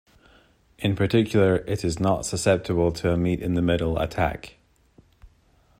In particular, it is not susceptible to a meet-in-the-middle attack.